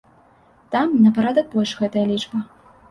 Там на парадак больш гэтая лічба.